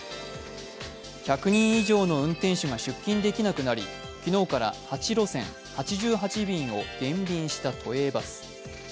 １００人以上の運転手が出勤できなくなり昨日から８路線、８８便を減便した都営バス。